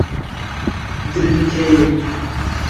drinkejo